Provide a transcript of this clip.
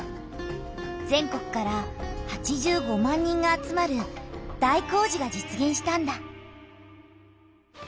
全国から８５万人が集まる大工事が実げんしたんだ。